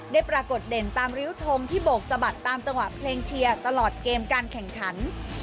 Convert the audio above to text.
ปรากฏเด่นตามริ้วทงที่โบกสะบัดตามจังหวะเพลงเชียร์ตลอดเกมการแข่งขัน